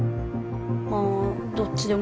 あどっちでも。